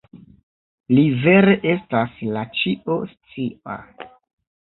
Li vere estas la Ĉio-Scia.